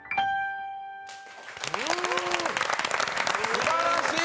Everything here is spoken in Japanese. すばらしい！